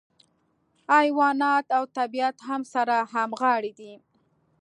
حیوانات او طبیعت هم سره همغاړي دي.